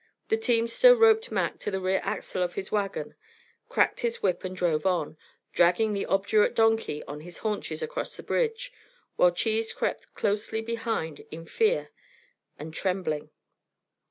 The teamster roped Mac to the rear axle of his wagon, cracked his whip, and drove on, dragging the obdurate donkey on his haunches across the bridge, while Cheese crept closely behind in fear and trembling.